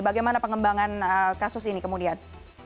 bagaimana pengembangan kasus ini kemudian